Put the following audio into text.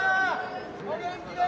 お元気で！